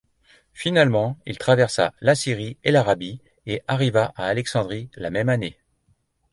Finalement, il traversa la Syrie et l’Arabie et arriva à Alexandrie la même année.